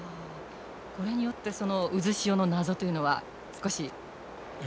これによってその渦潮の謎というのは少し解けてきましたか？